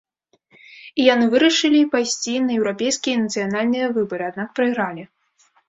І яны вырашылі пайсці на еўрапейскія і нацыянальныя выбары, аднак прайгралі.